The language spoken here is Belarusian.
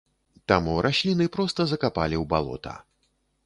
Таму расліны проста закапалі ў балота.